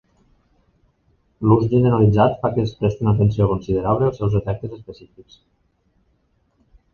L'ús generalitzat fa que es presti una atenció considerable als seus efectes específics.